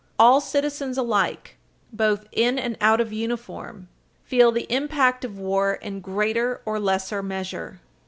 All citizens alike, both in and out of uniform, feel the impact of war in greater or lesser measure.